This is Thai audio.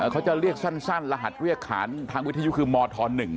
เขาจะเรียกสั้นรหัสเรียกขานทางวิทยุคือมธ๑